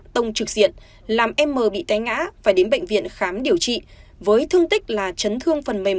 tông trực diện làm em m bị té ngã phải đến bệnh viện khám điều trị với thương tích là chấn thương phần mềm